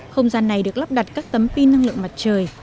không gian này được lắp đặt các tấm pin năng lượng mặt trời